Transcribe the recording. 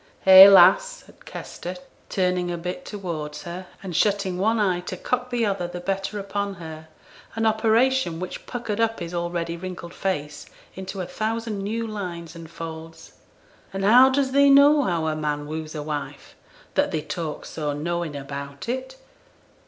'Hey, lass!' said Kester, turning a bit towards her, and shutting one eye to cock the other the better upon her; an operation which puckered up his already wrinkled face into a thousand new lines and folds. 'An' how does thee know how a man woos a wife, that thee talks so knowin' about it?